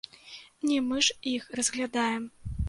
Не мы ж іх разглядаем!